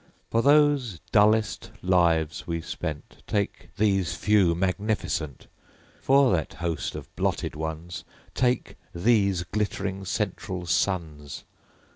For those dullest lives we spent, Take these Few magnificent! For that host of blotted ones, Take these glittering central suns.